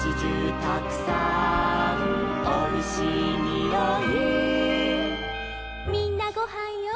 たくさんおいしいにおい」「みんなごはんよ」